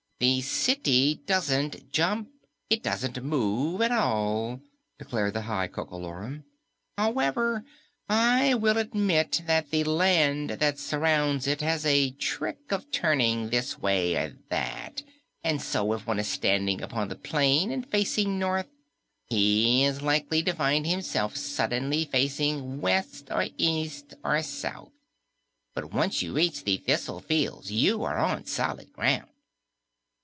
"The city doesn't jump. It doesn't move at all," declared the High Coco Lorum. "However, I will admit that the land that surrounds it has a trick of turning this way or that, and so if one is standing upon the plain and facing north, he is likely to find himself suddenly facing west or east or south. But once you reach the thistle fields, you are on solid ground."